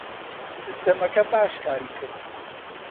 سیستەمەکە باش کاری کرد.